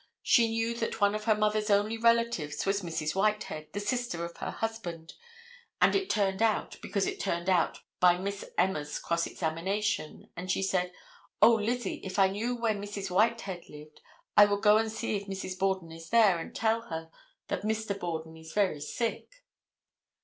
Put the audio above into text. She knew that one of the mother's only relatives was Mrs. Whitehead, the sister of her husband, as it turned out, because it turned out by Miss Emma's cross examination and she said: "Oh, Lizzie, if I knew where Mrs. Whitehead lived I would go and see if Mrs. Borden is there and tell her that Mr. Borden is very sick."